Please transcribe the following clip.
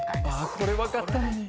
これ分かったのに。